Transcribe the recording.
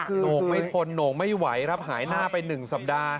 โหน่งไม่ทนโหน่งไม่ไหวรับหายหน้าไปหนึ่งสัปดาห์